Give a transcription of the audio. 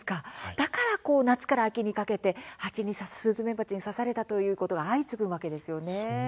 だから夏から秋にかけてスズメバチに刺されたということが相次ぐんですね。